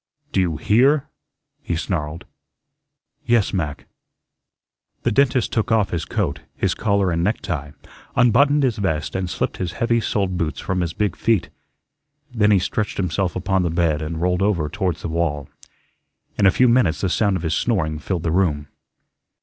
"Do you HEAR?" he snarled. "Yes, Mac." The dentist took off his coat, his collar and necktie, unbuttoned his vest, and slipped his heavy soled boots from his big feet. Then he stretched himself upon the bed and rolled over towards the wall. In a few minutes the sound of his snoring filled the room.